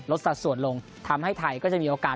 สัดส่วนลงทำให้ไทยก็จะมีโอกาส